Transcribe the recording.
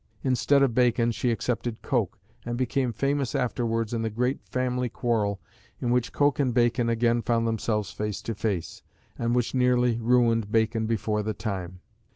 Instead of Bacon she accepted Coke, and became famous afterwards in the great family quarrel, in which Coke and Bacon again found themselves face to face, and which nearly ruined Bacon before the time.